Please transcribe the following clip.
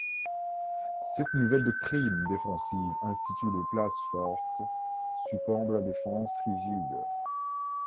Cette nouvelle doctrine défensive institue les places fortes, supports de la défense rigide.